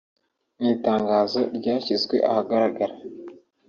Mu itangazo ryashyizwe ahagaragara